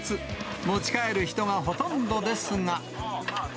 持ち帰る人がほとんどですが。